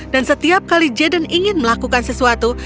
dan setiap kali jaden ingin melakukan sesuatu